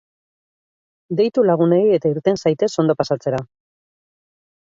Deitu lagunei eta irten zaitez ondo pasatzera!